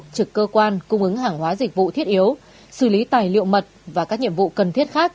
trực cơ quan cung ứng hàng hóa dịch vụ thiết yếu xử lý tài liệu mật và các nhiệm vụ cần thiết khác